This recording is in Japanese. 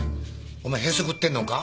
お前へそくってんのか？